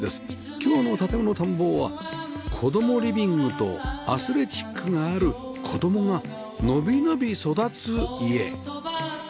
今日の『建もの探訪』は子供リビングとアスレチックがある子供がのびのび育つ家